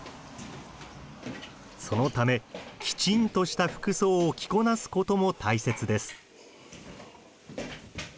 そのためきちんとした服装を着こなすことも大切です。